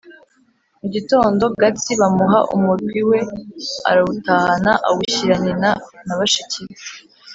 Mu gitondo Gatsi bamuha umurwi we arawutahana; awushyira nyina na bashiki be.